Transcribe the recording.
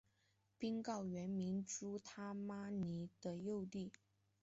宾告原名朱他玛尼的幼弟。